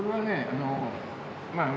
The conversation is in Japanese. あのまあ